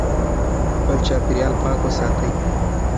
خپل چاپېریال پاک وساتئ.